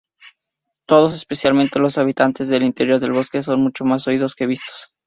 Todos, especialmente los habitantes del interior del bosque, son mucho más oídos que vistos.